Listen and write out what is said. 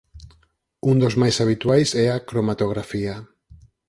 Un dos máis habituais é a cromatografía.